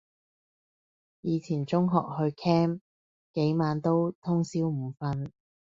以前中學去 camp 幾晚都通宵唔瞓